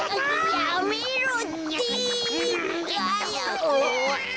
やめろって！